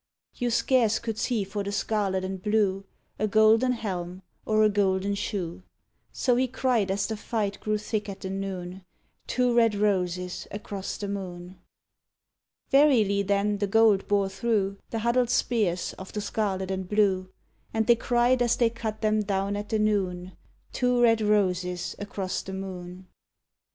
_ You scarce could see for the scarlet and blue, A golden helm or a golden shoe: So he cried, as the fight grew thick at the noon, Two red roses across the moon! Verily then the gold bore through The huddled spears of the scarlet and blue; And they cried, as they cut them down at the noon, _Two red roses across the moon!